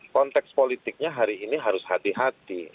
konteks politiknya hari ini harus hati hati